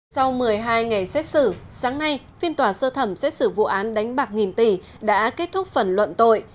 sau một mươi hai ngày xét xử sáng nay phiên tòa sơ thẩm xét xử vụ án đánh bạc nghìn tỷ đã kết thúc phần luận tội